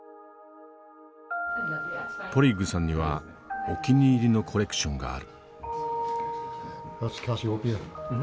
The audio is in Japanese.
ポリッグさんにはお気に入りのコレクションがある。